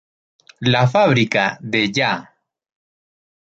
La fábrica de Ya.